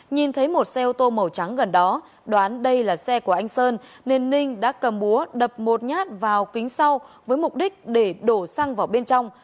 nhìn thấy một xe ô tô màu trắng gần đó đoán đây là xe của anh sơn nên ninh đã cầm búa đập một nhát vào kính sau với mục đích để đổ xăng vào bên trong